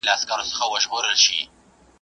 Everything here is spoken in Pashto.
هغوی به سبا د نويو ليکوالانو ملاتړ اعلان کړي.